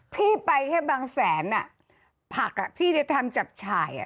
พี่ไปแค่บางแสนผักพี่จะทำจับฉ่าย